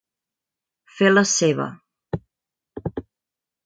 Fer la seva.